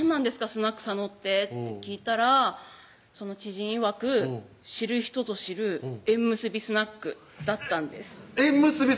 スナック佐のって」って聞いたらその知人いわく知る人ぞ知る縁結びスナックだったんです縁結び